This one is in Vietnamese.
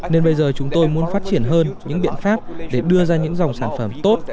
nên bây giờ chúng tôi muốn phát triển hơn những biện pháp để đưa ra những dòng sản phẩm tốt